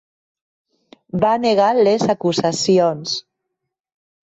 Va negar les acusacions.